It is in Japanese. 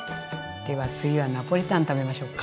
では次はナポリタン食べましょうか。